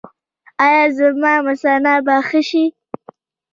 ایا زما مثانه به ښه شي؟